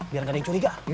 biar ga ada yang curiga